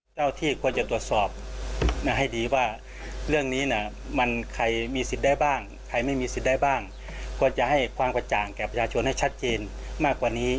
เพราะว่ามาเรียกเงินคืนกับแม่